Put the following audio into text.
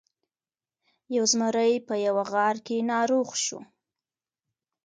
یو زمری په یوه غار کې ناروغ شو.